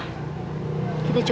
terus tinggal lagu